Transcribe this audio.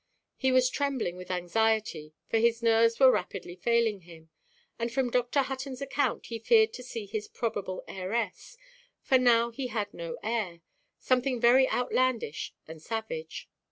He was trembling with anxiety; for his nerves were rapidly failing him; and, from Dr. Huttonʼs account, he feared to see in his probable heiress—for now he had no heir—something very outlandish and savage.